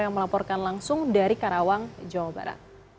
yang melaporkan langsung dari karawang jawa barat